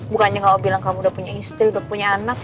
bukannya kamu bilang kamu udah punya istri udah punya anak